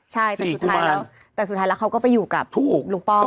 ใช่แต่สุดท้ายแล้วเขาก็ไปอยู่กับหลวงป้อม